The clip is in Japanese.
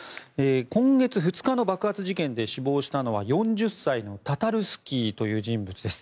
今月２日の爆発事件で死亡したのは４０歳のタタルスキーという人物です。